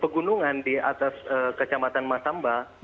pegunungan di atas kecamatan masamba